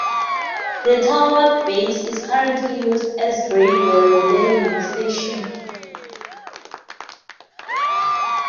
The tower base is currently used as radio relay link station.